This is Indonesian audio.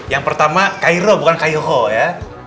yang pertama kairu bukan kairu ya